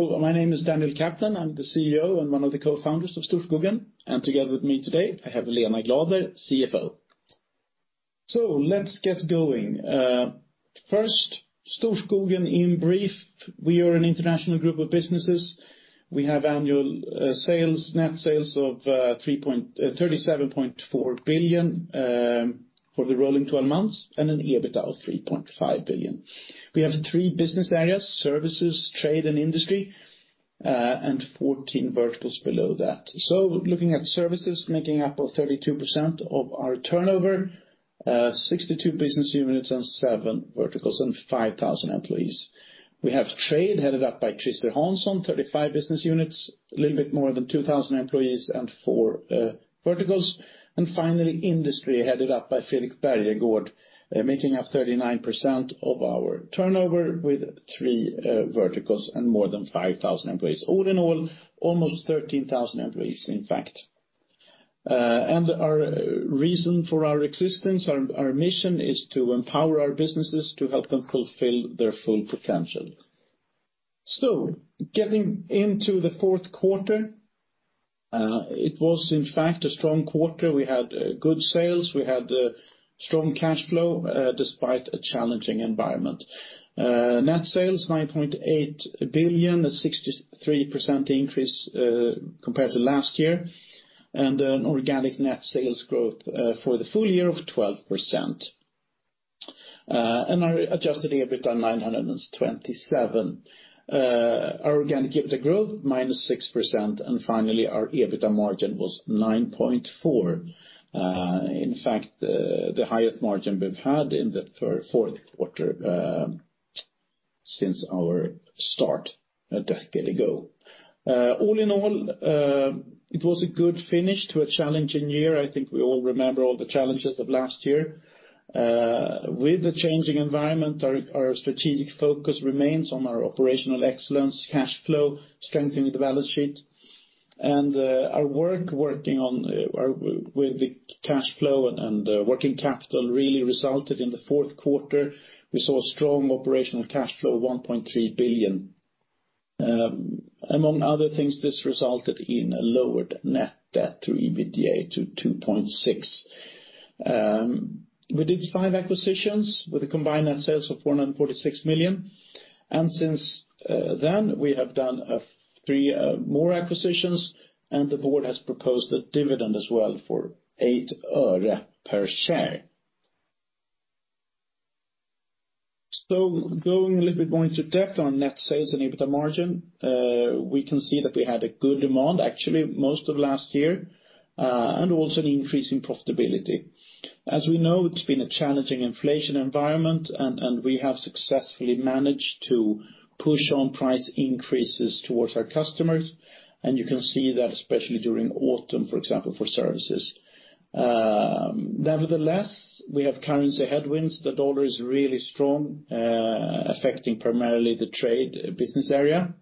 My name is Daniel Kaplan. I'm the CEO and one of the cofounders of Storskogen. Together with me today, I have Lena Glader, CFO. Let's get going. First, Storskogen in brief. We are an international group of businesses. We have annual sales, net sales of 37.4 billion for the rolling 12 months, and an EBITA of 3.5 billion. We have three business areas: Services, Trade, and Industry, and 14 verticals below that. Looking at Services, making up of 32% of our turnover, 62 business units in seven verticals and 5,000 employees. We have Trade headed up by Christer Hansson, 35 business units, a little bit more than 2,000 employees and four verticals. Finally, Industry headed up by Fredrik Bergegård, making up 39% of our turnover with three verticals and more than 5,000 employees. All in all, almost 13,000 employees, in fact. Our reason for our existence, our mission is to empower our businesses to help them fulfill their full potential. Getting into the fourth quarter, it was in fact a strong quarter. We had good sales. We had strong cash flow despite a challenging environment. Net sales, 9.8 billion, a 63% increase compared to last year, and an organic net sales growth for the full year of 12%, and our Adjusted EBITA, 927. Our organic EBITDA growth, -6%, finally, our EBITA margin was 9.4%, in fact, the highest margin we've had in the fourth quarter, since our start a decade ago. All in all, it was a good finish to a challenging year. I think we all remember all the challenges of last year. With the changing environment, our strategic focus remains on our operational excellence, cash flow, strengthening the balance sheet. Our working on with the cash flow and working capital really resulted in the fourth quarter. We saw strong operational cash flow, 1.3 billion. Among other things, this resulted in a lowered net debt to EBITDA to 2.6x. We did five acquisitions with a combined net sales of 446 million. Since then, we have done three more acquisitions, and the board has proposed a dividend as well for 0.08 per share. Going a little bit more into depth on net sales and EBITA margin, we can see that we had a good demand, actually, most of last year, and also an increase in profitability. As we know, it's been a challenging inflation environment, and we have successfully managed to push on price increases towards our customers, and you can see that especially during autumn, for example, for Services. Nevertheless, we have currency headwinds. The dollar is really strong, affecting primarily the Trade business area.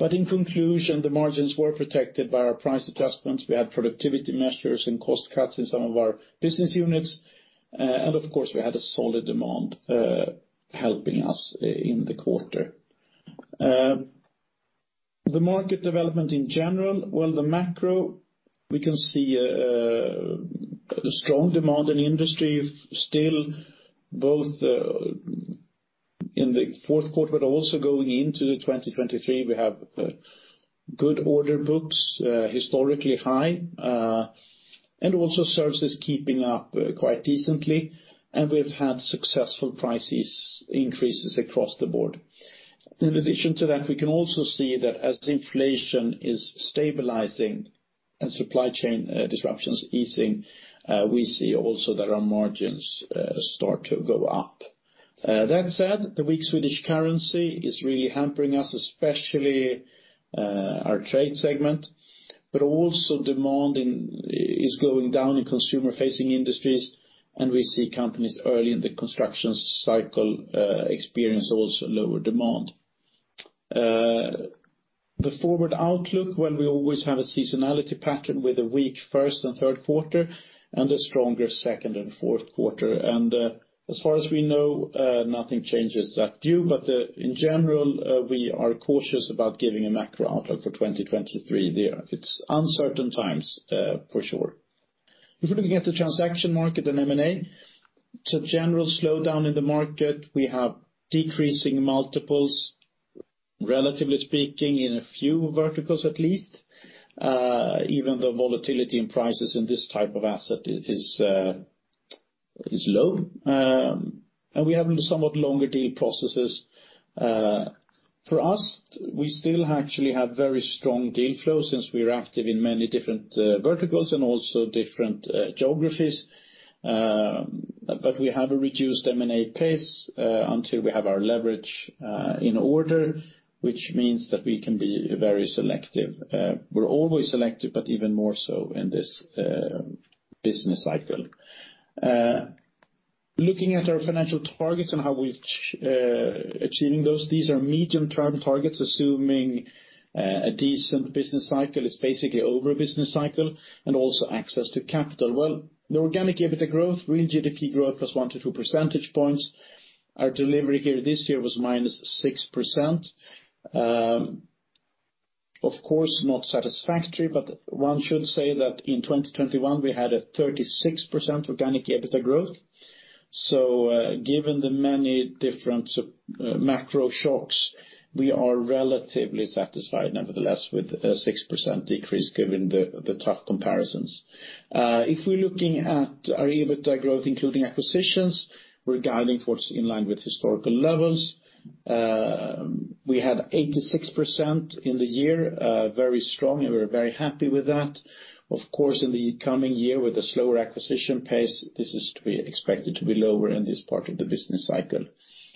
In conclusion, the margins were protected by our price adjustments. We had productivity measures and cost cuts in some of our business units. Of course, we had a solid demand, helping us in the quarter. The market development in general, the macro, we can see a strong demand in Industry still, in the fourth quarter, also going into 2023. We have good order books, historically high, also Services keeping up quite decently. We've had successful prices increases across the board. In addition to that, we can also see that as inflation is stabilizing, supply chain disruptions easing, we see also that our margins start to go up. That said, the weak Swedish currency is really hampering us, especially our Trade segment, also demand is going down in consumer-facing industries, we see companies early in the construction cycle experience also lower demand. The forward outlook, well, we always have a seasonality pattern with a weak first and third quarter and a stronger second and fourth quarter. As far as we know, nothing changes that view. In general, we are cautious about giving a macro outlook for 2023 there. It's uncertain times, for sure. If we look at the transaction market in M&A, it's a general slowdown in the market. We have decreasing multiples, relatively speaking, in a few verticals, at least. Even the volatility in prices in this type of asset is low. We have somewhat longer deal processes. For us, we still actually have very strong deal flow since we're active in many different verticals and also different geographies. We have a reduced M&A pace until we have our leverage in order, which means that we can be very selective. We're always selective, but even more so in this business cycle. Looking at our financial targets and how we've achieving those. These are medium-term targets, assuming a decent business cycle is basically over a business cycle, and also access to capital. Well, the organic EBITA growth, real GDP growth +1-2 percentage points. Our delivery here this year was -6%. Of course, not satisfactory, but one should say that in 2021, we had a 36% organic EBITA growth. Given the many different macro shocks, we are relatively satisfied nevertheless, with a 6% decrease given the tough comparisons. If we're looking at our EBITA growth including acquisitions, we're guiding towards in line with historical levels. We had 86% in the year, very strong, and we're very happy with that. Of course, in the coming year with a slower acquisition pace, this is to be expected to be lower in this part of the business cycle.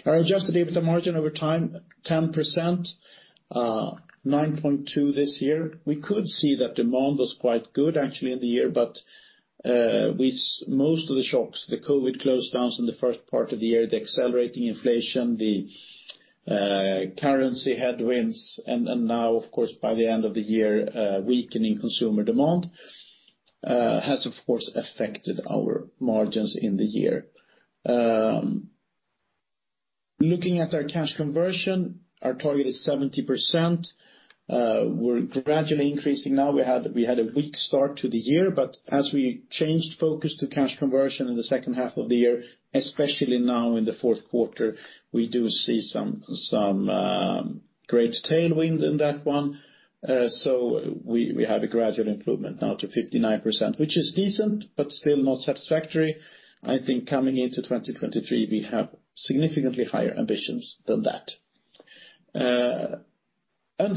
Our Adjusted EBITA margin over time, 10%, 9.2 this year. We could see that demand was quite good actually in the year, but most of the shocks, the COVID closedowns in the first part of the year, the accelerating inflation, the currency headwinds, and now of course, by the end of the year, weakening consumer demand, has of course affected our margins in the year. Looking at our cash conversion, our target is 70%. We're gradually increasing now. We had a weak start to the year, but as we changed focus to cash conversion in the second half of the year, especially now in the fourth quarter, we do see some great tailwinds in that one. We have a gradual improvement now to 59%, which is decent, but still not satisfactory. I think coming into 2023, we have significantly higher ambitions than that.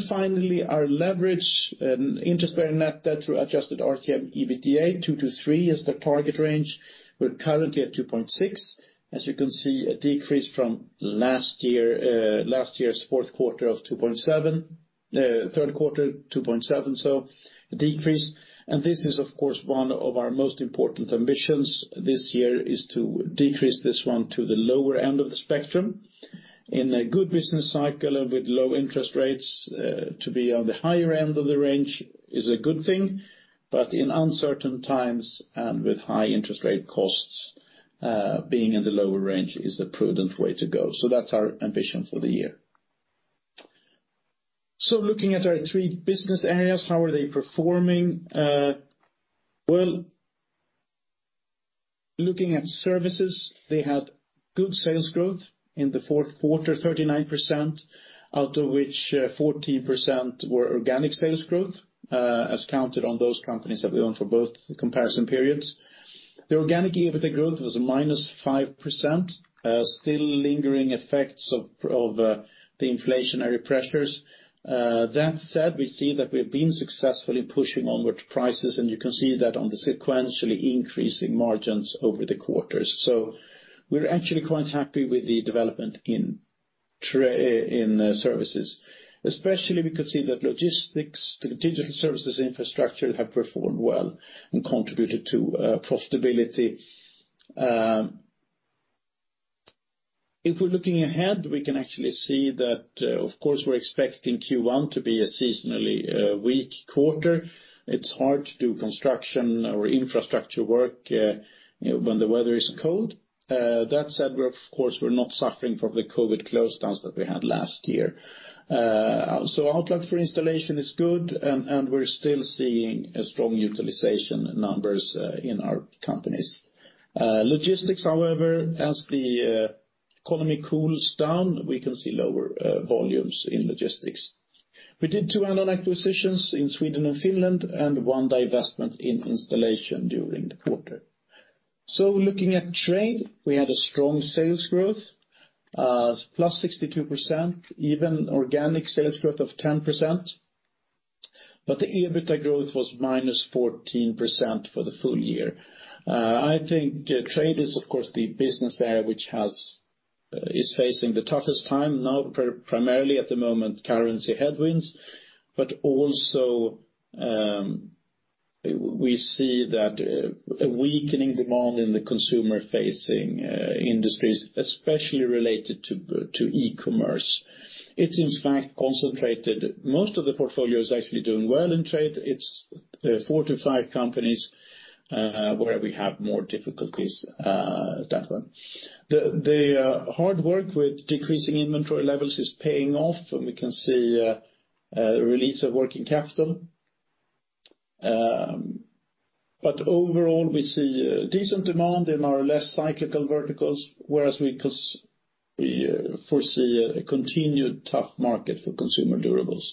Finally, our leverage, interest-bearing net debt through adjusted RTM EBITDA, 2x-3x is the target range. We're currently at 2.6x. As you can see, a decrease from last year, last year's fourth quarter of 2.7x. Third quarter, 2.7x. Decrease. This is, of course, one of our most important ambitions this year is to decrease this one to the lower end of the spectrum. In a good business cycle and with low interest rates, to be on the higher end of the range is a good thing. In uncertain times and with high interest rate costs, being in the lower range is the prudent way to go. That's our ambition for the year. Looking at our three business areas, how are they performing? Looking at Services, they had good sales growth in the fourth quarter, 39%, out of which 14% were organic sales growth, as counted on those companies that we own for both the comparison periods. The organic EBITA growth was -5%, still lingering effects of the inflationary pressures. That said, we see that we've been successful in pushing onward prices, and you can see that on the sequentially increasing margins over the quarters. We're actually quite happy with the development in Services. Especially we can see that logistics, the digital services infrastructure have performed well and contributed to profitability. If we're looking ahead, we can actually see that, of course, we're expecting Q1 to be a seasonally weak quarter. It's hard to do construction or infrastructure work, you know, when the weather is cold. That said, we're of course, we're not suffering from the COVID closedowns that we had last year. Outlook for installation is good and we're still seeing a strong utilization numbers in our companies. Logistics, however, as the economy cools down, we can see lower volumes in logistics. We did two add-on acquisitions in Sweden and Finland and one divestment in installation during the quarter. Looking at Trade, we had a strong sales growth, +62%, even organic sales growth of 10%. The EBITA growth was -14% for the full year. I think Trade is, of course, the business area which is facing the toughest time now, primarily at the moment, currency headwinds. Also, we see that a weakening demand in the consumer-facing industries, especially related to e-commerce. It's in fact concentrated. Most of the portfolio is actually doing well in Trade. It's four to five companies where we have more difficulties at that one. The hard work with decreasing inventory levels is paying off, and we can see a release of working capital. Overall, we see a decent demand in our less cyclical verticals, whereas we could foresee a continued tough market for consumer durables.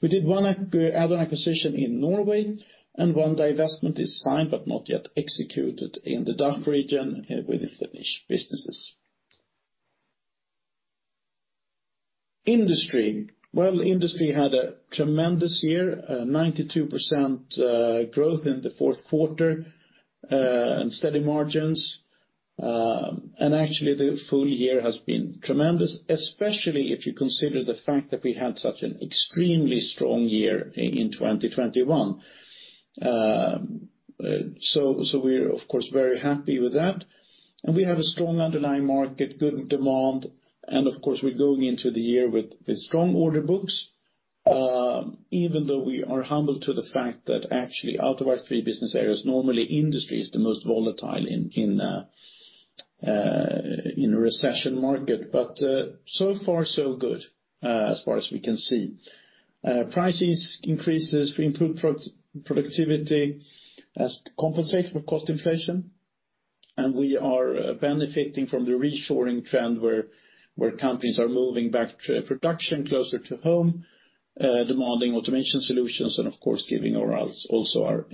We did one add-on acquisition in Norway, and one divestment is signed but not yet executed in the DACH region within the niche businesses. Industry. Well, Industry had a tremendous year, 92% growth in the fourth quarter, and steady margins. Actually, the full year has been tremendous, especially if you consider the fact that we had such an extremely strong year in 2021. We're of course very happy with that. We have a strong underlying market, good demand, and of course, we're going into the year with strong order books, even though we are humble to the fact that actually out of our three business areas, normally Industry is the most volatile in a recession market. So far so good, as far as we can see. Prices increases to improve pro-productivity as compensate for cost inflation, and we are benefiting from the reshoring trend where companies are moving back to production closer to home, demanding automation solutions and of course giving also our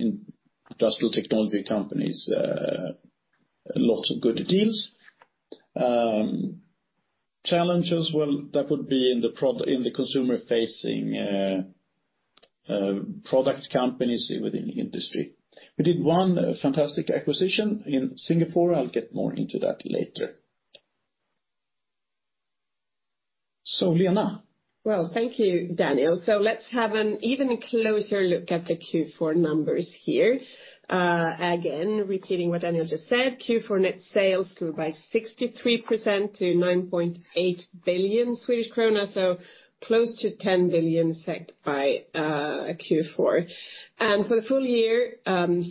industrial technology companies, lots of good deals. Challenges, well, that would be in the consumer-facing product companies within the Industry. We did one fantastic acquisition in Singapore. I'll get more into that later. Lena? Well, thank you, Daniel. Let's have an even closer look at the Q4 numbers here. Again, repeating what Daniel just said, Q4 net sales grew by 63% to 9.8 billion Swedish krona, so close to 10 billion by Q4. For the full year,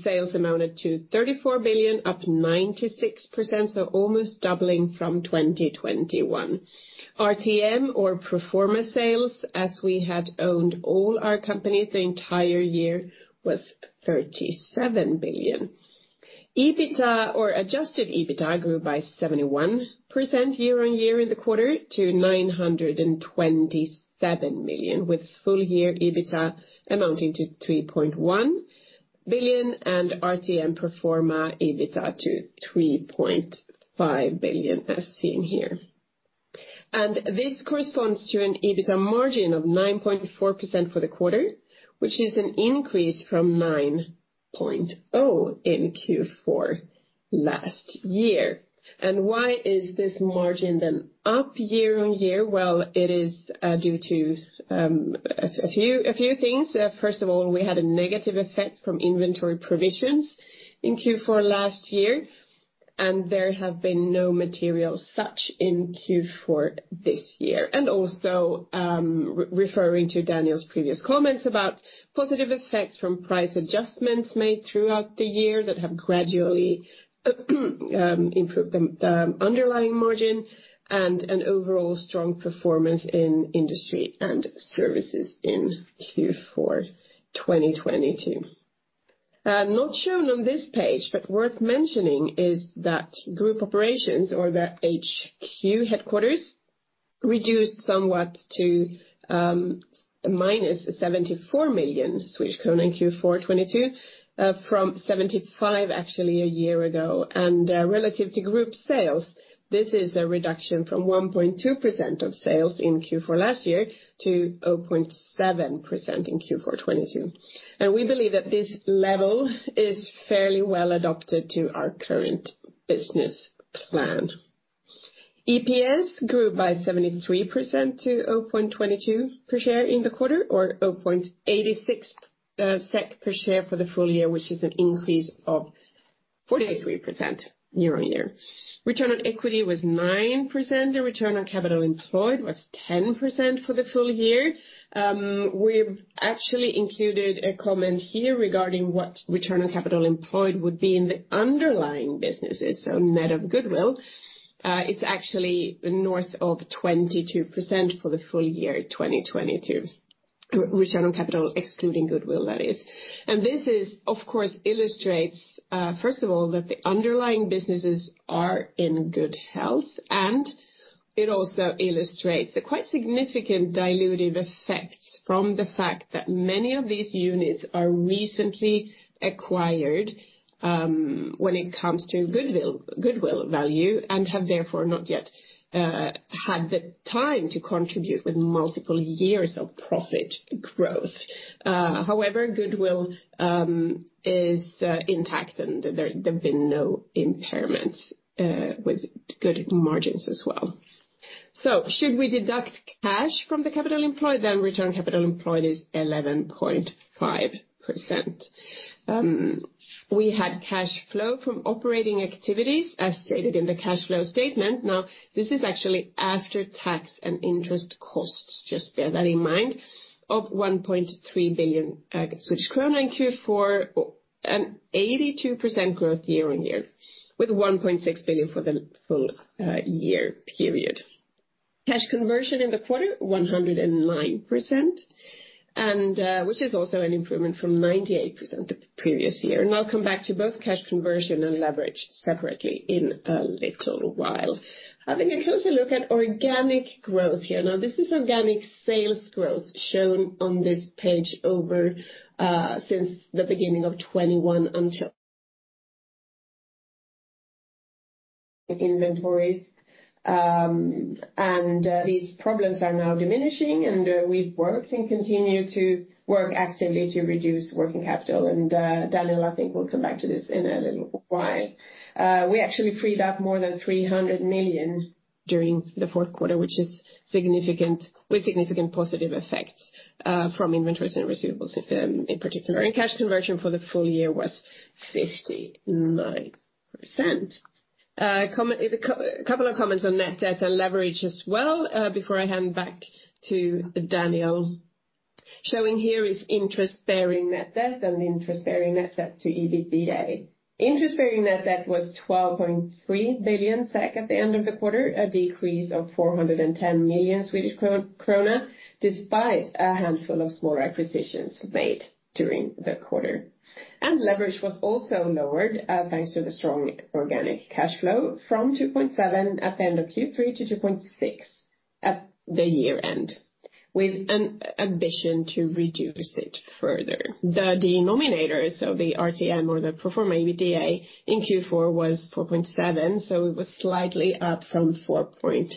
sales amounted to 34 billion, up 96%, so almost doubling from 2021. RTM or pro forma sales, as we had owned all our companies the entire year, was 37 billion. EBITA or Adjusted EBITA grew by 71% year-over-year in the quarter to 927 million, with full year EBITA amounting to 3.1 billion and RTM pro forma EBITA to 3.5 billion, as seen here. This corresponds to an EBITA margin of 9.4% for the quarter, which is an increase from 9.0% in Q4 last year. Why is this margin then up year-on-year? Well, it is due to a few things. First of all, we had a negative effect from inventory provisions in Q4 last year, and there have been no material such in Q4 this year. Also, referring to Daniel's previous comments about positive effects from price adjustments made throughout the year that have gradually improved the underlying margin and an overall strong performance in Industry and Services in Q4 2022. Not shown on this page, but worth mentioning, is that group operations or the HQ headquarters reduced somewhat to minus 74 million in Q4 2022, from 75 million actually a year ago. Relative to group sales, this is a reduction from 1.2% of sales in Q4 last year to 0.7% in Q4 2022. We believe that this level is fairly well adopted to our current business plan. EPS grew by 73% to 0.22 per share in the quarter or 0.86 SEK per share for the full year, which is an increase of 43% year-on-year. Return on Equity was 9%, and return on capital employed was 10% for the full year. We've actually included a comment here regarding what return on capital employed would be in the underlying businesses, so net of goodwill. It's actually north of 22% for the full year 2022. Return on capital excluding goodwill, that is. This is, of course, illustrates, first of all, that the underlying businesses are in good health, and it also illustrates the quite significant dilutive effects from the fact that many of these units are recently acquired, when it comes to goodwill value and have therefore not yet had the time to contribute with multiple years of profit growth. However, goodwill is intact and there have been no Impairments with good margins as well. Should we deduct cash from the capital employed, then return on capital employed is 11.5%. We had cash flow from operating activities, as stated in the cash flow statement. Now, this is actually after tax and interest costs, just bear that in mind, of 1.3 billion Swedish krona in Q4, an 82% growth year-on-year, with 1.6 billion for the full year period. Cash conversion in the quarter 109%, which is also an improvement from 98% the previous year. I'll come back to both cash conversion and leverage separately in a little while. Having a closer look at organic growth here. Now, this is organic sales growth shown on this page over since the beginning of 2021 until inventories, and these problems are now diminishing, we've worked and continue to work actively to reduce working capital. Daniel, I think, will come back to this in a little while. We actually freed up more than 300 million during the fourth quarter, which is significant positive effects from inventories and receivables, if in particular. Cash conversion for the full year was 59%. A couple of comments on net debt and leverage as well before I hand back to Daniel. Showing here is interest-bearing net debt and interest-bearing net debt to EBITDA. Interest-bearing net debt was 12.3 billion SEK at the end of the quarter, a decrease of 410 million Swedish krona despite a handful of small acquisitions made during the quarter. Leverage was also lowered thanks to the strong organic cash flow from 2.7x at the end of Q3 to 2.6x at the year-end, with an ambition to reduce it further. The denominator, so the RTM or the pro forma EBITDA in Q4 was 4.7, so it was slightly up from 4.6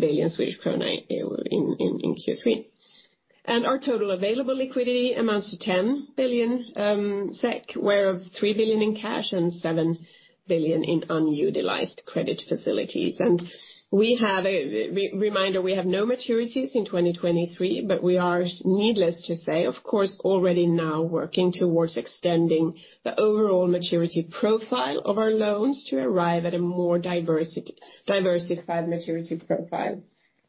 billion Swedish krona it was in Q3. Our total available liquidity amounts to 10 billion SEK, whereof 3 billion in cash and 7 billion in unutilized credit facilities. We have a reminder, we have no maturities in 2023, but we are needless to say, of course, already now working towards extending the overall maturity profile of our loans to arrive at a more diversified maturity profile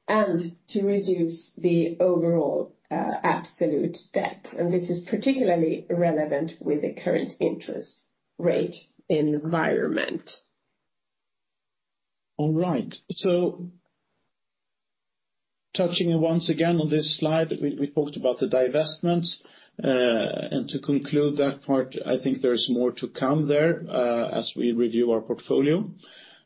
and to reduce the overall absolute debt. This is particularly relevant with the current interest rate environment. All right. Touching once again on this slide, we talked about the divestments. To conclude that part, I think there is more to come there as we review our portfolio.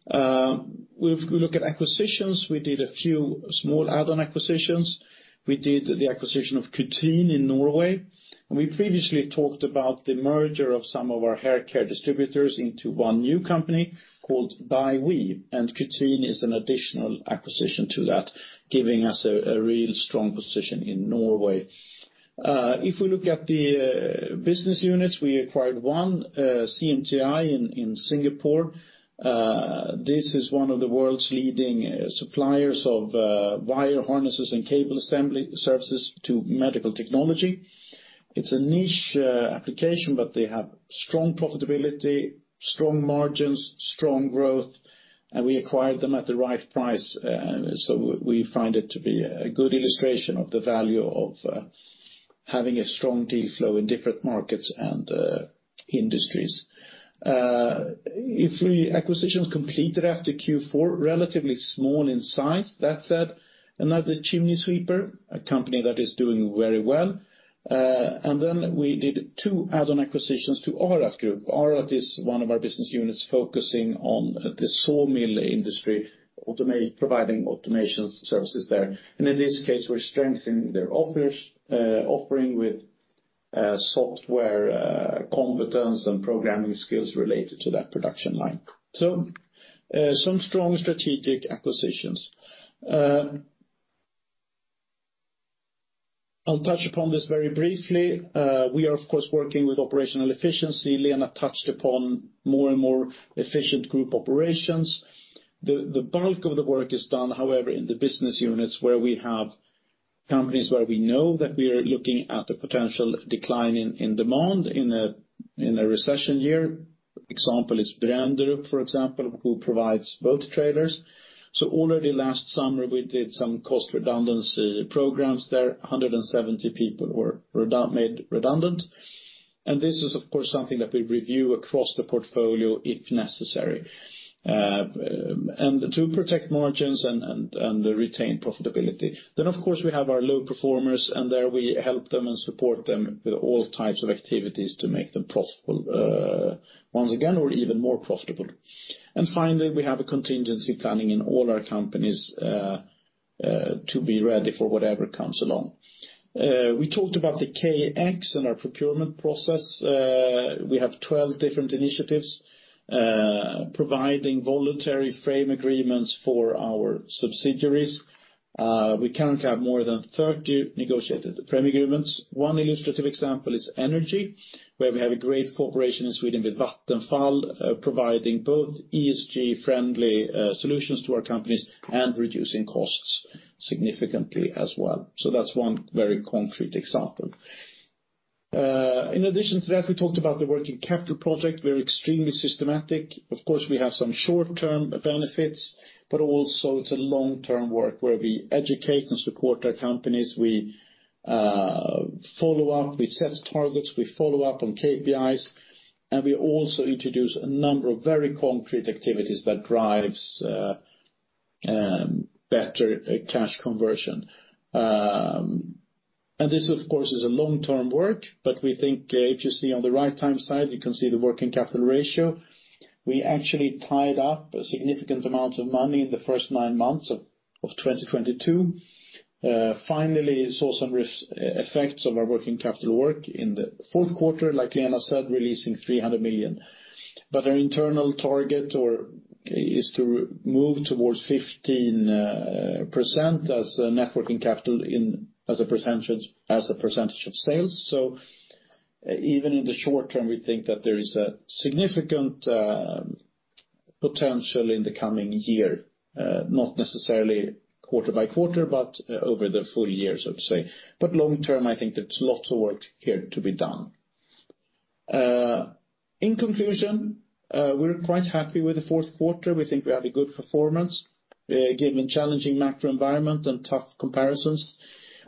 If we look at acquisitions, we did a few small add-on acquisitions. We did the acquisition of Cutrin in Norway. We previously talked about the merger of some of our hair care distributors into one new company called ByWe, and Cutrin is an additional acquisition to that, giving us a real strong position in Norway. If we look at the business units, we acquired one, CMTI in Singapore. This is one of the world's leading suppliers of wire harnesses and cable assembly services to medical technology. It's a niche application, but they have strong profitability, strong margins, strong growth, and we acquired them at the right price, so we find it to be a good illustration of the value of having a strong deal flow in different markets and industries. Acquisitions completed after Q4, relatively small in size. That said, another chimney sweeper, a company that is doing very well. We did two add-on acquisitions to ARAT Group. ARAT is one of our business units focusing on the sawmill industry, providing automation services there. In this case, we're strengthening their offers, offering with software competence and programming skills related to that production line. Some strong strategic acquisitions. I'll touch upon this very briefly. We are of course, working with operational efficiency. Lena touched upon more and more efficient group operations. The bulk of the work is done, however, in the business units where we have companies where we know that we are looking at a potential decline in demand in a recession year. Example is Brenderup, for example, who provides boat trailers. Already last summer, we did some cost redundancy programs there. 170 people were made redundant. This is, of course, something that we review across the portfolio, if necessary, to protect margins and retain profitability. Of course, we have our low performers, and there we help them and support them with all types of activities to make them profitable once again, or even more profitable. Finally, we have a contingency planning in all our companies to be ready for whatever comes along. We talked about the KX and our procurement process. We have 12 different initiatives providing voluntary frame agreements for our subsidiaries. We currently have more than 30 negotiated frame agreements. One illustrative example is energy, where we have a great cooperation in Sweden with Vattenfall, providing both ESG-friendly solutions to our companies and reducing costs significantly as well. That's one very concrete example. In addition to that, we talked about the working capital project. We're extremely systematic. Of course, we have some short-term benefits, but also it's a long-term work where we educate and support our companies. We follow up, we set targets, we follow up on KPIs, we also introduce a number of very concrete activities that drives better cash conversion. This of course is a long-term work, but we think if you see on the right-time side, you can see the working capital ratio. We actually tied up a significant amount of money in the first nine months of 2022. Finally saw some effects of our working capital work in the fourth quarter, like Lena said, releasing 300 million. Our internal target is to move towards 15% as net working capital in, as a percentage of sales. Even in the short term, we think that there is a significant potential in the coming year, not necessarily quarter-by-quarter, but over the full year, so to say. Long-term, I think there's lots of work here to be done. In conclusion, we're quite happy with the fourth quarter. We think we had a good performance, given challenging macro environment and tough comparisons.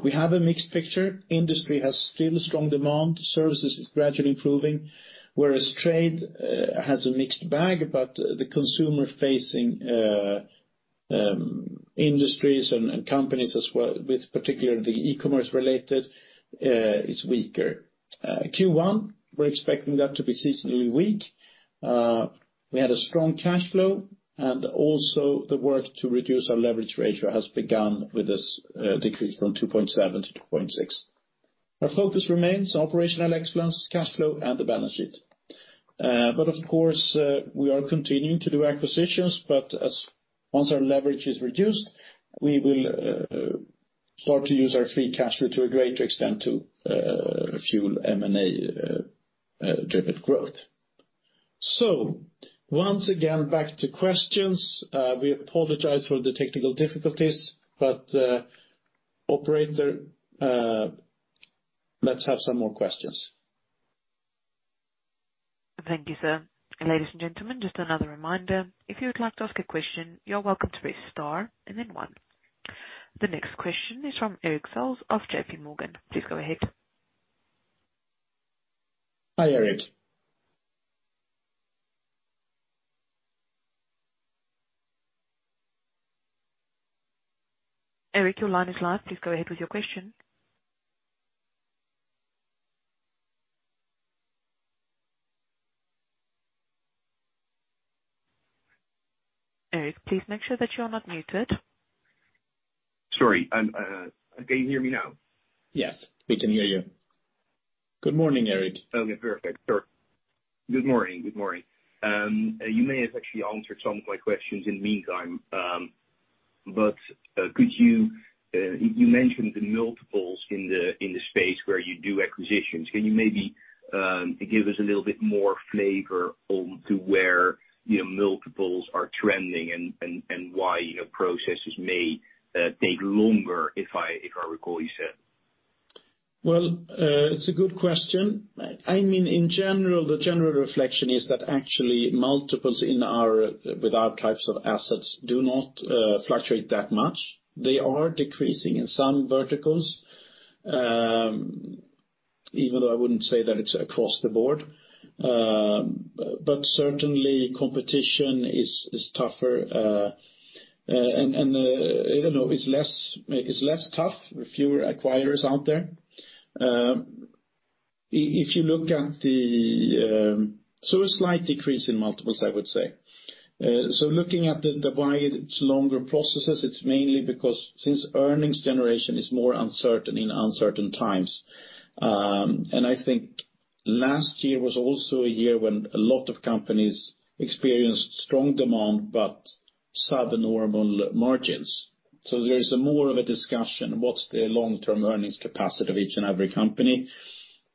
We have a mixed picture. Industry has still strong demand, Services is gradually improving, whereas Trade has a mixed bag, but the consumer-facing industries and companies as well, with particularly the e-commerce related is weaker. Q1, we're expecting that to be seasonally weak. We had a strong cash flow, and also the work to reduce our leverage ratio has begun with this decrease from 2.7x-2.6x. Our focus remains operational excellence, cash flow and the balance sheet. Of course, we are continuing to do acquisitions, once our leverage is reduced, we will start to use our free cash flow to a greater extent to fuel M&A driven growth. Once again, back to questions. We apologize for the technical difficulties, operator, let's have some more questions. Thank you, sir. Ladies and gentlemen, just another reminder, if you would like to ask a question, you're welcome to press star and then one. The next question is from Erik Salz of JPMorgan. Please go ahead. Hi, Erik. Erik, your line is live. Please go ahead with your question. Erik, please make sure that you are not muted. Sorry. Can you hear me now? Yes, we can hear you. Good morning, Erik. Okay, perfect. Sure. Good morning, good morning. You may have actually answered some of my questions in the meantime, but could you mentioned the multiples in the space where you do acquisitions. Can you maybe give us a little bit more flavor on to where, you know, multiples are trending and why, you know, processes may take longer, if I recall you said? Well, it's a good question. I mean, in general, the general reflection is that actually multiples with our types of assets do not fluctuate that much. They are decreasing in some verticals, even though I wouldn't say that it's across the board. Certainly competition is tougher. And I don't know, it's less tough with fewer acquirers out there. A slight decrease in multiples, I would say. Looking at the why it's longer processes, it's mainly because since earnings generation is more uncertain in uncertain times. I think last year was also a year when a lot of companies experienced strong demand but subnormal margins. There is a more of a discussion, what's the long-term earnings capacity of each and every company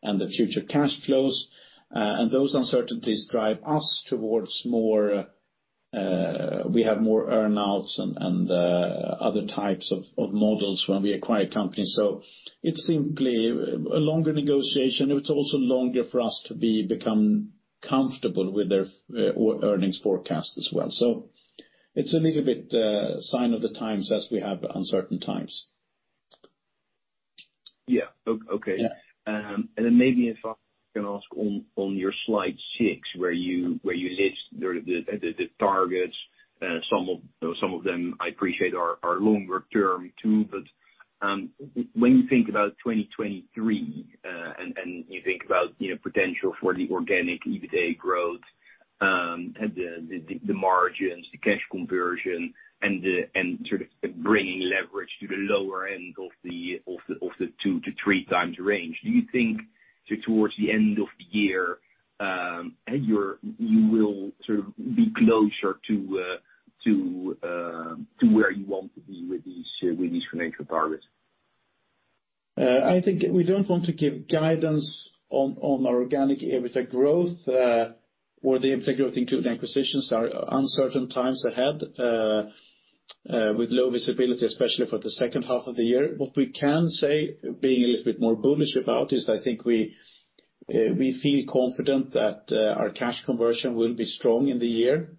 and the future cash flows, and those uncertainties drive us towards more, we have more earn-outs and, other types of models when we acquire companies. It's simply a longer negotiation. It's also longer for us to become comfortable with their earnings forecast as well. It's a little bit, sign of the times as we have uncertain times. Yeah. Okay. Yeah. Maybe if I can ask on your slide six, where you, where you list the, the targets, some of, some of them I appreciate are longer term too, but, when you think about 2023, and you think about, you know, potential for the organic EBITA growth, the, the margins, the cash conversion and sort of bringing leverage to the lower end of the 2x-3x range, do you think towards the end of the year, and you will sort of be closer to, to where you want to be with these, with these financial targets? I think we don't want to give guidance on our organic EBITA growth, or the EBITA growth including acquisitions. There are uncertain times ahead, with low visibility, especially for the second half of the year. What we can say, being a little bit more bullish about, is I think we feel confident that our cash conversion will be strong in the year.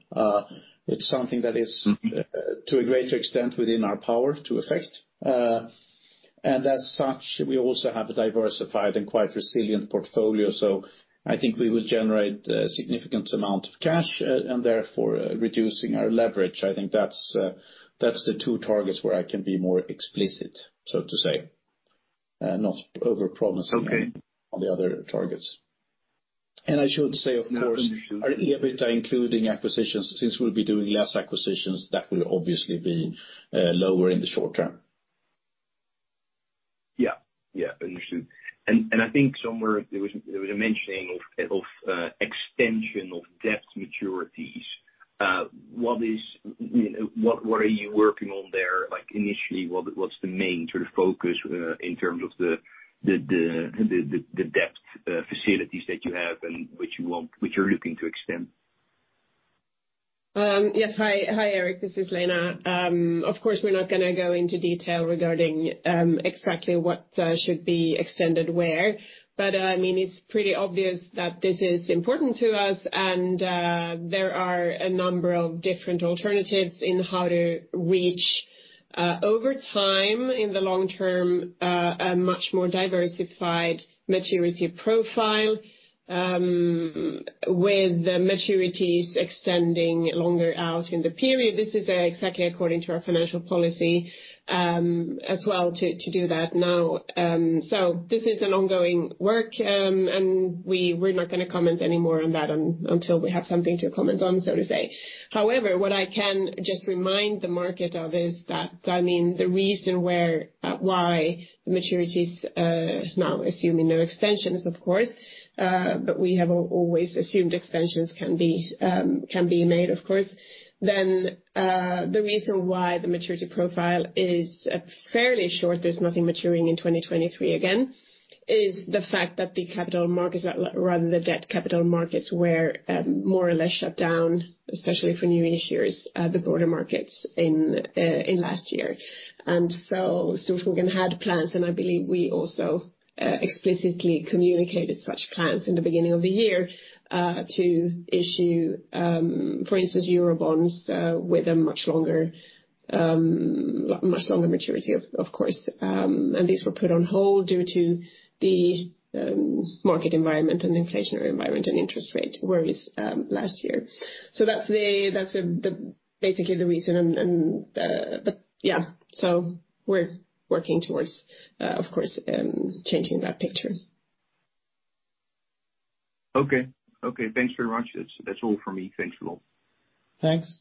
It's something that is. Mm-hmm. To a greater extent within our power to affect. As such, we also have a diversified and quite resilient portfolio. I think we will generate a significant amount of cash and therefore reducing our leverage. I think that's the two targets where I can be more explicit, so to say. Not over-promising... Okay. On the other targets. I should say, of course- Understood. Our EBITA, including acquisitions, since we'll be doing less acquisitions, that will obviously be lower in the short term. Yeah. Yeah. Understood. I think somewhere there was a mentioning of extension of debt maturities. What is, you know, what are you working on there? Like initially, what's the main sort of focus in terms of the debt facilities that you have and which you're looking to extend? Yes. Hi, Erik, this is Lena. Of course, we're not gonna go into detail regarding exactly what should be extended where. I mean, it's pretty obvious that this is important to us and there are a number of different alternatives in how to reach over time, in the long term, a much more diversified maturity profile with the maturities extending longer out in the period. This is exactly according to our financial policy as well to do that now. This is an ongoing work and we're not gonna comment any more on that until we have something to comment on, so to say. What I can just remind the market of is that, I mean, the reason why the maturity is now assuming no extensions, of course, but we have always assumed extensions can be made, of course. The reason why the maturity profile is fairly short, there's nothing maturing in 2023 again, is the fact that the capital markets, rather the debt capital markets were more or less shut down, especially for new issuers, the broader markets in last year. If we're gonna have plans, and I believe we also explicitly communicated such plans in the beginning of the year, to issue, for instance, Eurobonds, with a much longer maturity, of course. These were put on hold due to the market environment and inflationary environment and interest rate worries last year. That's basically the reason. Yeah, we're working towards, of course, changing that picture. Okay, thanks very much. That's all from me. Thanks a lot. Thanks.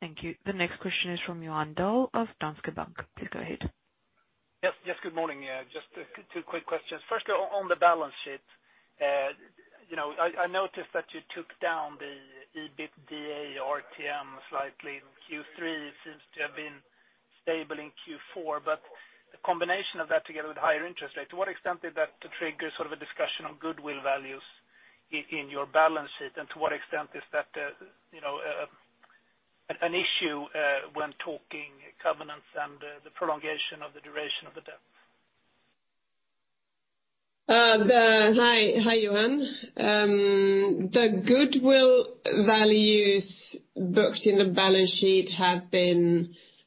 Thank you. The next question is from Johan Dahl of Danske Bank. Please go ahead. Yes, yes. Good morning. Just two quick questions. First, on the balance sheet, you know, I noticed that you took down the EBITDA RTM slightly. Q3 seems to have been stable in Q4, but the combination of that together with higher interest rate, to what extent did that trigger sort of a discussion on goodwill values in your balance sheet? To what extent is that, you know, an issue when talking covenants and the prolongation of the duration of the debt? Hi, hi, Johan. The goodwill values booked in the balance sheet.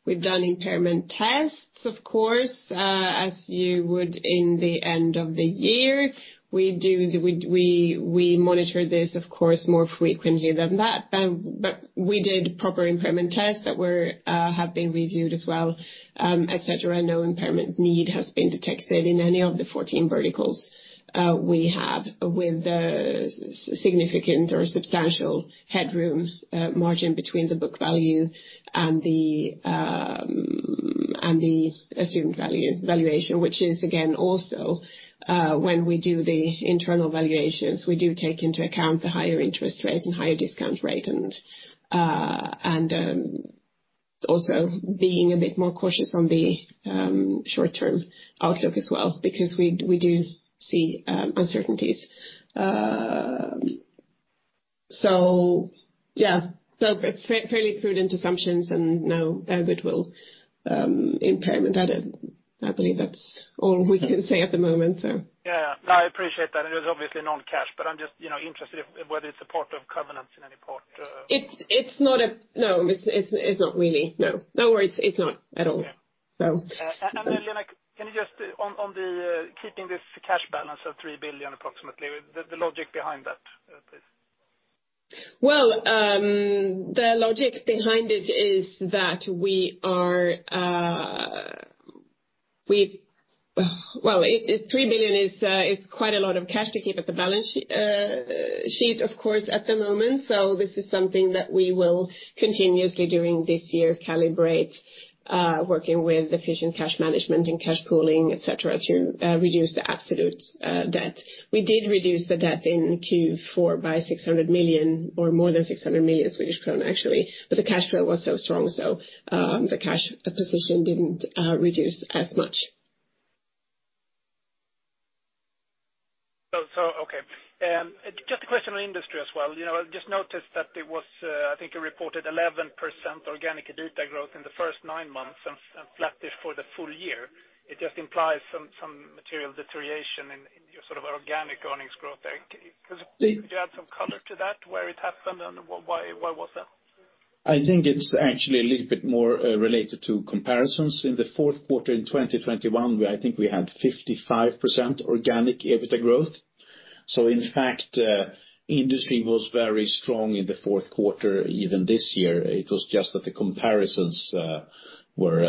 We've done impairment tests, of course, as you would in the end of the year. We monitor this, of course, more frequently than that. We did proper impairment tests that were have been reviewed as well, et cetera. No impairment need has been detected in any of the 14 verticals we have with significant or substantial headroom margin between the book value and the assumed valuation. Which is again, also, when we do the internal valuations, we do take into account the higher interest rates and higher discount rate and also being a bit more cautious on the short-term outlook as well, because we do see uncertainties. Yeah. It's fairly prudent assumptions and no, as it will, impairment added. I believe that's all we can say at the moment, so. Yeah. No, I appreciate that. It is obviously non-cash, but I'm just, you know, interested whether it's a part of covenants in any part. It's not really. No. No worries. It's not at all. Yeah. So. Lena, can you just on the keeping this cash balance of 3 billion approximately, the logic behind that, please? Well, the logic behind it is that we are. Well, it 3 billion is quite a lot of cash to keep at the balance sheet, of course, at the moment. This is something that we will continuously during this year calibrate, working with efficient cash management and cash pooling, et cetera, to reduce the absolute debt. We did reduce the debt in Q4 by 600 million or more than 600 million Swedish krona actually. The cash flow was so strong, so the cash position didn't reduce as much. Okay. Just a question on Industry as well. You know, I just noticed that there was, I think a reported 11% organic EBITA growth in the first nine months and flattish for the full year. It just implies some material deterioration in your sort of organic earnings growth there. Could you add some color to that, where it happened and why was that? I think it's actually a little bit more related to comparisons. In the fourth quarter in 2021, I think we had 55% organic EBITA growth. In fact, Industry was very strong in the fourth quarter, even this year. It was just that the comparisons were.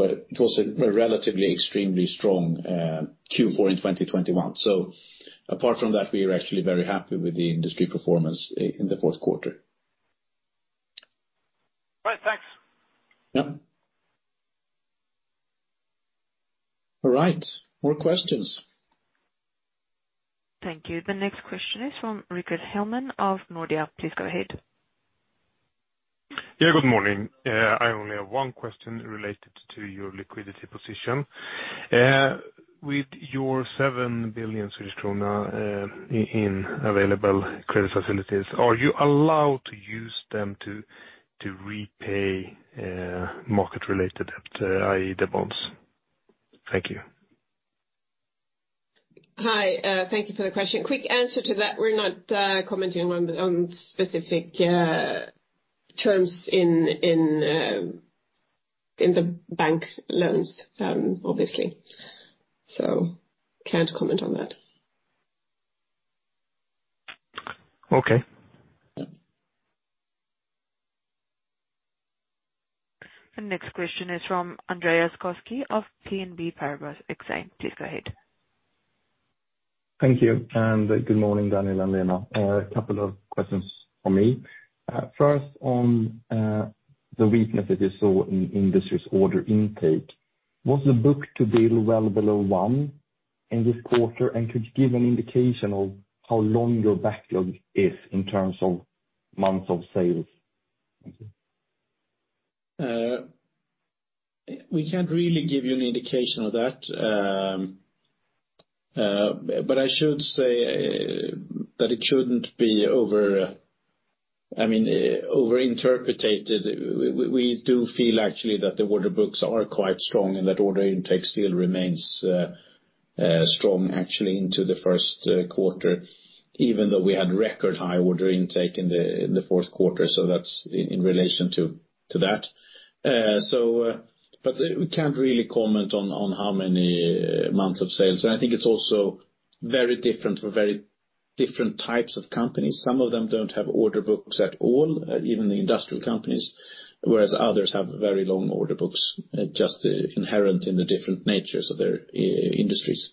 It was a relatively extremely strong Q4 in 2021. Apart from that, we are actually very happy with the Industry performance in the fourth quarter. All right. Thanks. Yep. All right. More questions. Thank you. The next question is from Rickard Hellman of Nordea. Please go ahead. Yeah, good morning. I only have one question related to your liquidity position. With your 7 billion Swedish krona in available credit facilities, are you allowed to use them to repay market-related debt, i.e., the bonds? Thank you. Hi, thank you for the question. Quick answer to that, we're not commenting on specific terms in the bank loans, obviously. Can't comment on that. Okay. The next question is from Andreas Koski of BNP Paribas Exane. Please go ahead. Thank you. Good morning, Daniel and Lena. A couple of questions from me. First on, the weakness that you saw in Industries order intake. Was the book-to-bill well below one in this quarter? Could you give an indication of how long your backlog is in terms of months of sales? Thank you. We can't really give you an indication of that. I should say that it shouldn't be overinterpreted. We do feel actually that the order books are quite strong and that order intake still remains strong actually into the first quarter, even though we had record high order intake in the fourth quarter, so that's in relation to that. We can't really comment on how many months of sales. I think it's also very different for very different types of companies. Some of them don't have order books at all, even the industrial companies, whereas others have very long order books, just inherent in the different natures of their industries.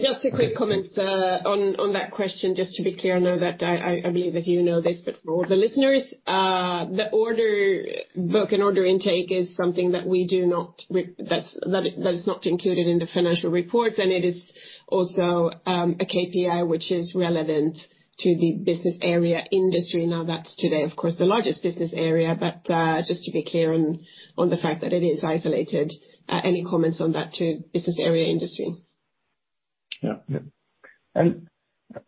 Just a quick comment on that question, just to be clear. I know that I believe that you know this, but for all the listeners, the order book and order intake is something that we do not that is not included in the financial reports, and it is also a KPI which is relevant to the Business Area Industry. Now, that's today, of course, the largest business area. Just to be clear on the fact that it is isolated, any comments on that to Business Area Industry. Yeah. Yeah.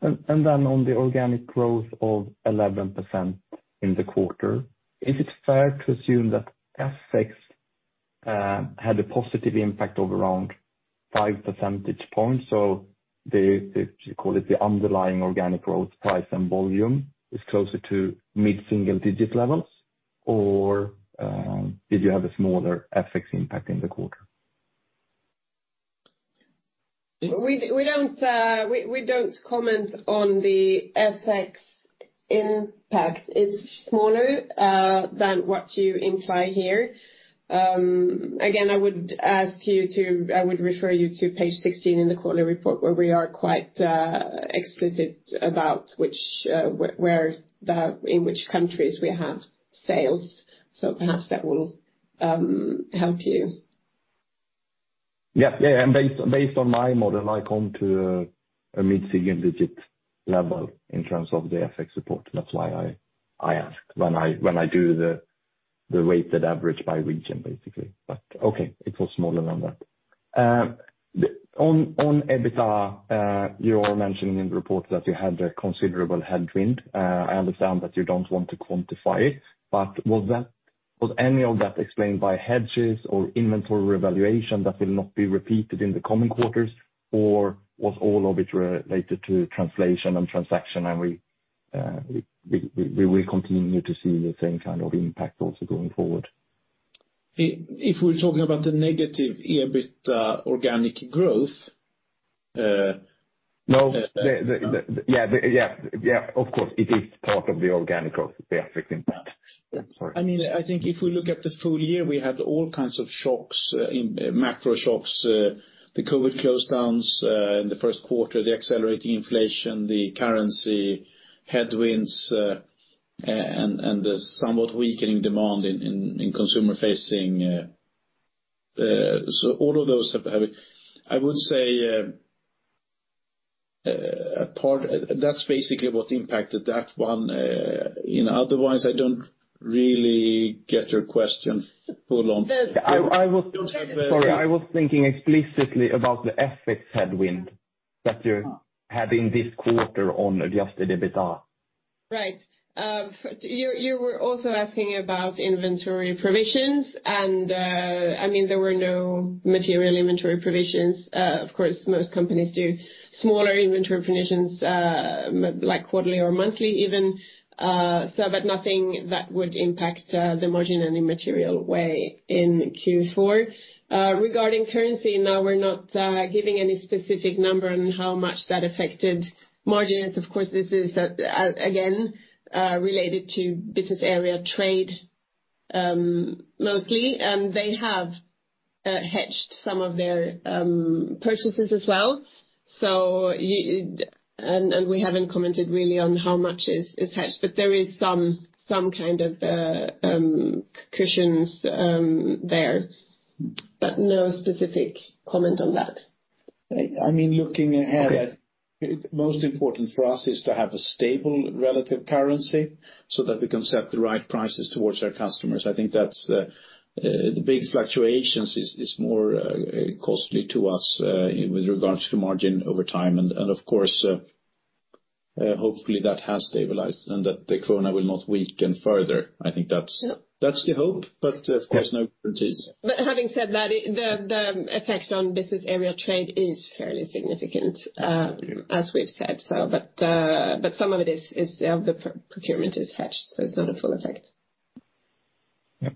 On the organic growth of 11% in the quarter, is it fair to assume that FX had a positive impact of around 5 percentage points? The, the, you call it the underlying organic growth price and volume is closer to mid-single digit levels or did you have a smaller FX impact in the quarter? We don't, we don't comment on the FX impact. It's smaller than what you imply here. Again, I would refer you to page 16 in the quarterly report, where we are quite explicit about which, where the, in which countries we have sales. Perhaps that will help you. Yeah. Yeah, based on my model, I come to a mid-single digit level in terms of the FX support. That's why I ask when I do the weighted average by region, basically. Okay, it was smaller than that. On EBITA, you are mentioning in the report that you had a considerable headwind. I understand that you don't want to quantify it, but was any of that explained by hedges or inventory revaluation that will not be repeated in the coming quarters? Was all of it related to translation and transaction, and we will continue to see the same kind of impact also going forward? If we're talking about the negative EBITA, organic growth. No. Yeah, the, yeah. Yeah. Of course, it is part of the organic growth, the FX impact. Yeah, sorry. I mean, I think if we look at the full year, we had all kinds of shocks, macro shocks, the COVID closedowns in the first quarter, the accelerating inflation, the currency headwinds, and the somewhat weakening demand in consumer-facing. All of those have I would say a part. That's basically what impacted that one. you know, otherwise, I don't really get your question full on. The- I, I was- You don't have. Sorry, I was thinking explicitly about the FX headwind that you're having this quarter on Adjusted EBITA. Right. You were also asking about inventory provisions, and, I mean, there were no material inventory provisions. Of course, most companies do smaller inventory provisions, like quarterly or monthly even. But nothing that would impact the margin in a material way in Q4. Regarding currency, now we're not giving any specific number on how much that affected margins. Of course, this is again related to Business Area Trade, mostly, and they have hedged some of their purchases as well. We haven't commented really on how much is hedged, but there is some kind of cushions there. No specific comment on that. I mean, looking ahead, most important for us is to have a stable relative currency so that we can set the right prices towards our customers. I think that's the big fluctuations is more costly to us with regards to margin over time. Of course, hopefully that has stabilized and that the krona will not weaken further. Yeah. That's the hope, but of course, no guarantees. Having said that, the effect on Business Area Trade is fairly significant, as we've said. But some of it is hedged, so it's not a full effect. Yeah.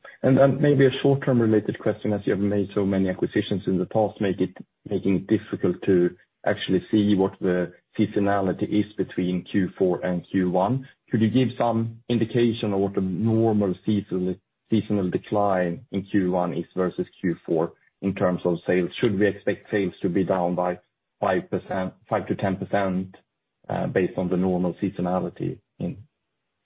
Maybe a short-term related question, as you have made so many acquisitions in the past, making it difficult to actually see what the seasonality is between Q4 and Q1. Could you give some indication of what a normal seasonal decline in Q1 is versus Q4 in terms of sales? Should we expect sales to be down by 5%, 5%-10%, based on the normal seasonality in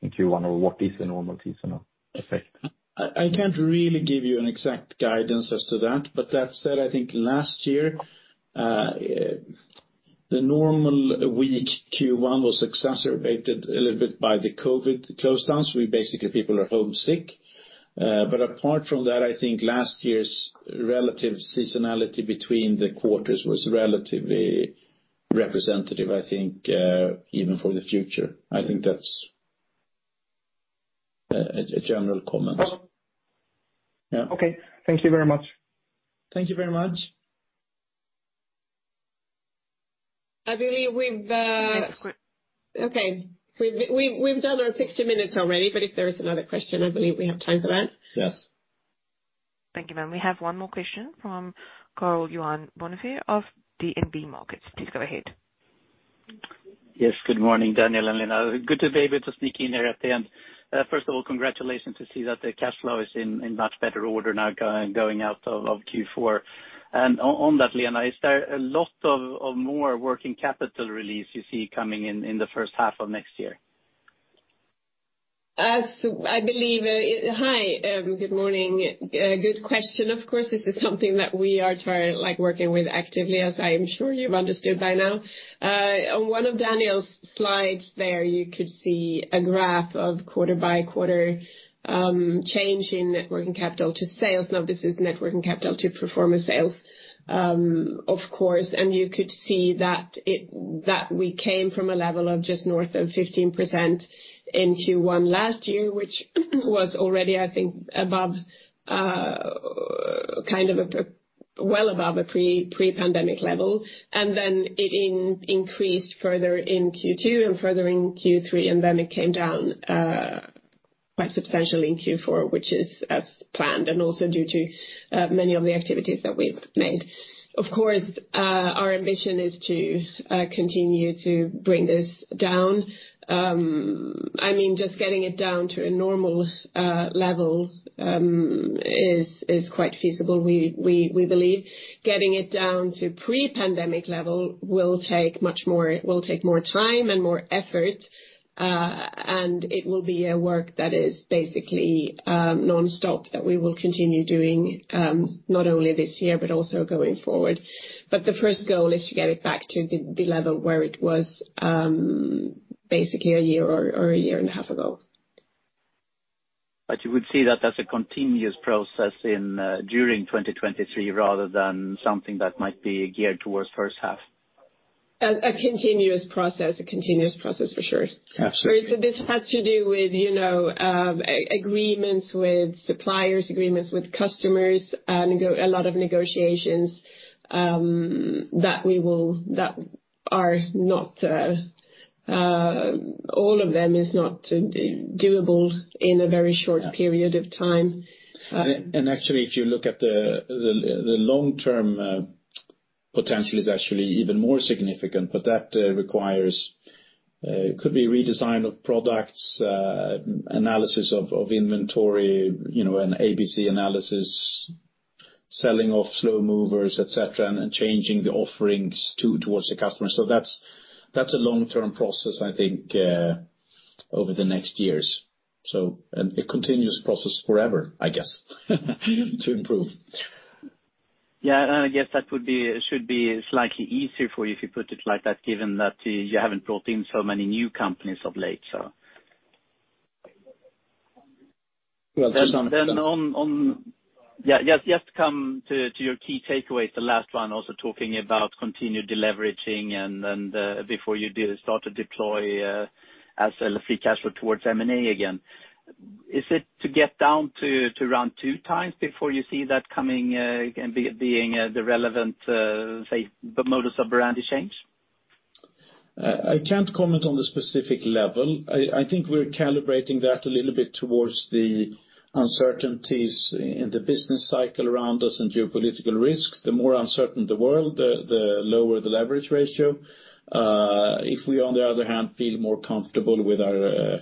Q1, or what is the normal seasonal effect? I can't really give you an exact guidance as to that. That said, I think last year, the normal weak Q1 was exacerbated a little bit by the COVID closedowns. People are home sick. Apart from that, I think last year's relative seasonality between the quarters was relatively representative, I think, even for the future. I think that's a general comment. Yeah. Okay. Thank you very much. Thank you very much. I believe we've. Next que- Okay. We've done our 60 minutes already. If there is another question, I believe we have time for that. Yes. Thank you, ma'am. We have one more question from Karl-Johan Bonnevier of DNB Markets. Please go ahead. Yes, good morning, Daniel and Lena. Good to be able to sneak in here at the end. First of all, congratulations to see that the cash flow is in much better order now going out of Q4. On that, Lena, is there a lot of more working capital release you see coming in the first half of next year? Hi, good morning. Good question. Of course, this is something that we are working with actively, as I am sure you've understood by now. On one of Daniel's slides there, you could see a graph of quarter-by-quarter change in working capital to sales. Now, this is net working capital to pro forma sales, of course. You could see that we came from a level of just north of 15% in Q1 last year, which was already, I think, above, well above a pre-pandemic level. It increased further in Q2 and further in Q3, and then it came down quite substantially in Q4, which is as planned and also due to many of the activities that we've made. Of course, our ambition is to continue to bring this down. I mean, just getting it down to a normal level is quite feasible. We believe getting it down to pre-pandemic level will take more time and more effort, and it will be a work that is basically nonstop, that we will continue doing, not only this year, but also going forward. The first goal is to get it back to the level where it was, basically a year or a year and a half ago. You would see that as a continuous process in during 2023 rather than something that might be geared towards first half. A continuous process for sure. Absolutely. This has to do with, you know, agreements with suppliers, agreements with customers, and a lot of negotiations, that are not, all of them is not doable in a very short period of time. Actually, if you look at the, the long-term potential is actually even more significant. That requires could be redesign of products, analysis of inventory, you know, an ABC analysis, selling off slow movers, et cetera, and changing the offerings towards the customer. That's, that's a long-term process, I think, over the next years. A continuous process forever, I guess, to improve. Yeah, I guess that should be slightly easier for you, if you put it like that, given that you haven't brought in so many new companies of late. So. Well, to some extent. On, yeah, just come to your key takeaways, the last one also talking about continued deleveraging and then, before you do start to deploy as free cash flow towards M&A again. Is it to get down to around two times before you see that coming and being the relevant, say, the modus operandi change? I can't comment on the specific level. I think we're calibrating that a little bit towards the uncertainties in the business cycle around us and geopolitical risks. The more uncertain the world, the lower the leverage ratio, If we, on the other hand, feel more comfortable with our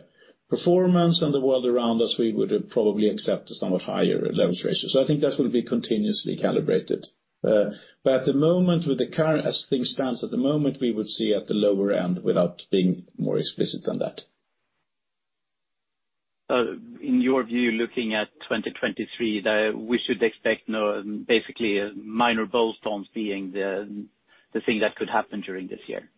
performance and the world around us, we would probably accept a somewhat higher leverage ratio. I think that will be continuously calibrated. At the moment, as things stands at the moment, we would see at the lower end without being more explicit than that. In your view, looking at 2023, we should expect basically minor bolt-ons being the thing that could happen during this year?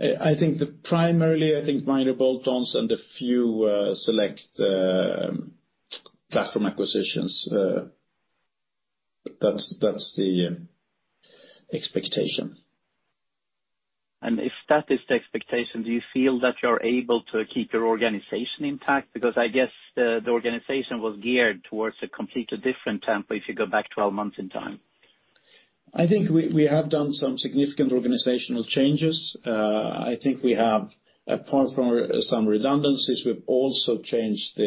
I think primarily, I think minor bolt-ons and a few select platform acquisitions. That's the expectation. If that is the expectation, do you feel that you're able to keep your organization intact? Because I guess the organization was geared towards a completely different template, if you go back 12 months in time. I think we have done some significant organizational changes. I think we have, apart from some redundancies, we've also changed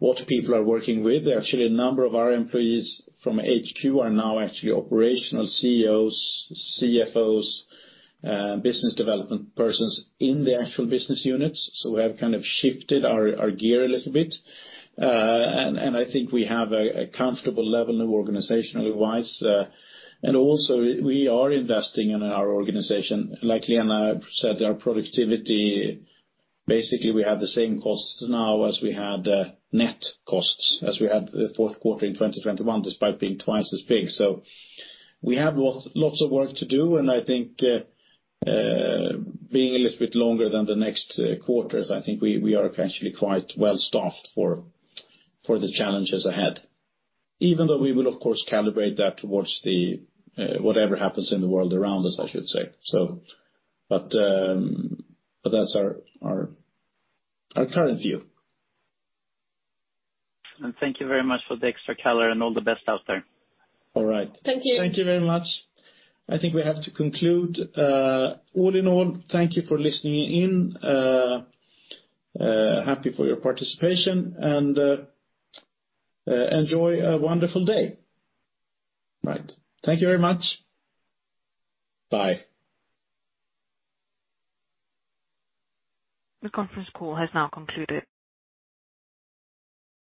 what people are working with. Actually, a number of our employees from HQ are now actually operational CEOs, CFOs, business development persons in the actual business units, so we have kind of shifted our gear a little bit. I think we have a comfortable level organizational-wise. Also we are investing in our organization. Like Lena said, our productivity, basically, we have the same costs now as we had net costs as we had the fourth quarter in 2021, despite being twice as big. We have lots of work to do, and I think, being a little bit longer than the next quarters, I think we are actually quite well staffed for the challenges ahead. Even though we will of course calibrate that towards the whatever happens in the world around us, I should say. That's our current view. Thank you very much for the extra color, and all the best out there. All right. Thank you. Thank you very much. I think we have to conclude. All in all, thank you for listening in. Happy for your participation and enjoy a wonderful day. Right. Thank you very much. Bye. The conference call has now concluded.